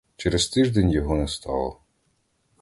Через тиждень його не стало.